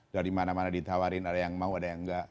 dari mana mana ditawarin ada yang mau ada yang enggak